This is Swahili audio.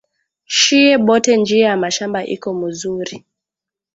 Shiye bote njia ya mashamba iko muzuri